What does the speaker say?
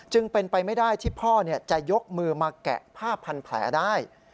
จึงเป็นไปไม่ได้ที่พ่อจะยกมือมาแกะผ้าพันแผลได้